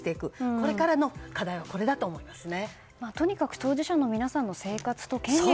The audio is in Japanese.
これからの課題はこれだと思いますね。